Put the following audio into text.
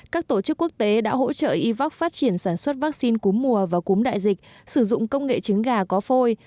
các tổ chức quốc tế đã hỗ trợ yvac phát triển sản xuất vaccine cúm mùa và cúm đại dịch sử dụng công nghệ trứng gà có phôi